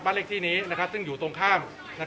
เลขที่นี้ซึ่งอยู่ตรงข้าม